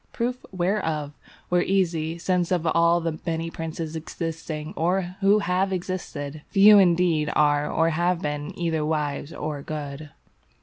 Proof whereof were easy, since of all the many princes existing, or who have existed, few indeed are or have been either wise or good.